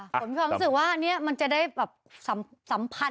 ผมมีความรู้สึกว่าอันนี้มันจะได้แบบสัมพันธ์